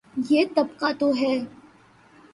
یہ طبقہ تو وہ ہے۔